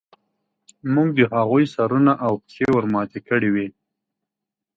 موږ د هغوی سرونه او پښې ورماتې کړې وې